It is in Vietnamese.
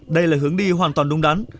đây là hướng đi hoàn toàn đúng đắn